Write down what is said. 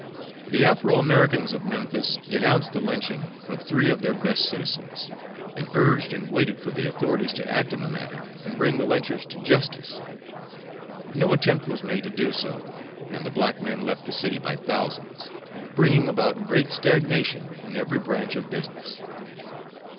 The Afro Americans of Memphis denounced the lynching of three of their best citizens, and urged and waited for the authorities to act in the matter and bring the lynchers to justice. No attempt was made to do so, and the black men left the city by thousands, bringing about great stagnation in every branch of business.